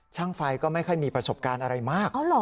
ไฟก็ไม่ค่อยมีประสบการณ์อะไรมาก